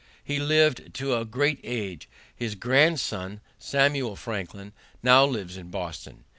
He lived to a great age. His grandson, Samuel Franklin, now lives in Boston.